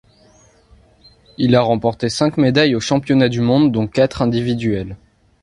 Il a remporté cinq médailles aux Championnats du monde dont quatre individuelles.